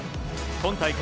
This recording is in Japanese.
今大会